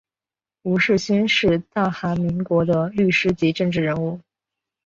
吴世勋是大韩民国的律师及政治人物。